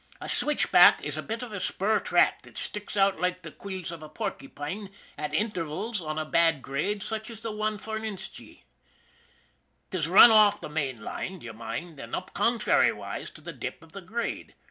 A switchback is a bit av a spur track that sticks out loike the quills av a porkypine at intervuls on a bad grade such as the wan forninst ye. 'Tis run off the main line, d'ye mind, an' up contrariwise to the dip av the grade.